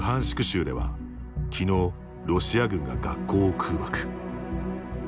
州ではきのう、ロシア軍が学校を空爆。